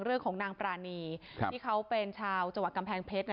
เรื่องของนางปรานีที่เขาเป็นชาวจังหวัดกำแพงเพชร